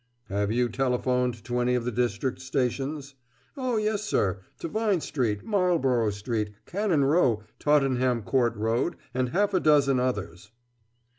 "Have you telephoned to any of the district stations?" "Oh, yes, sir to Vine Street, Marlborough Street, Cannon Row, Tottenham Court Road, and half a dozen others."